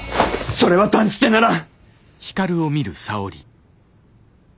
それは断じてならん！